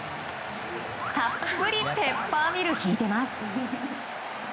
たっぷりペッパーミルひいてます。